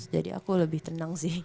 jadi aku lebih tenang sih